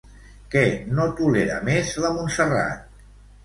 Què no tolera més la Montserrat?